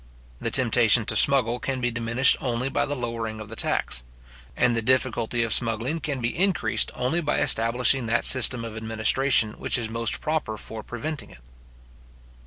The temptation to smuggle can be diminished only by the lowering of the tax; and the difficulty of smuggling can be increased only by establishing that system of administration which is most proper for preventing it.